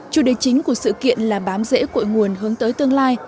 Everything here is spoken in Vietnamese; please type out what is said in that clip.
chủ đề chính của sự kiện là bám dễ cội nguồn hướng tới tương lai